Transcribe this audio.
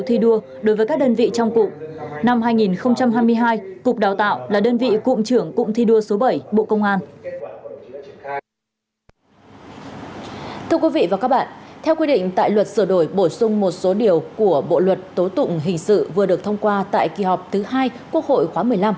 theo quy định tại luật sửa đổi bổ sung một số điều của bộ luật tố tụng hình sự vừa được thông qua tại kỳ họp thứ hai quốc hội khóa một mươi năm